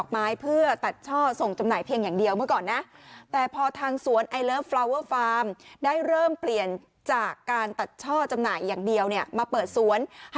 เมืองแก้วคุณวิชันเมทาคุณวิชันเนี่ยบอกว่า